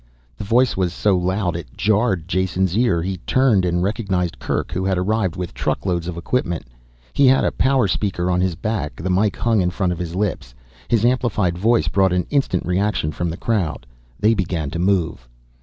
_" The voice was so loud it jarred Jason's ear. He turned and recognized Kerk, who had arrived with truckloads of equipment. He had a power speaker on his back, the mike hung in front of his lips. His amplified voice brought an instant reaction from the crowd. They began to move.